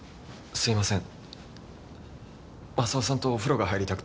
すいません！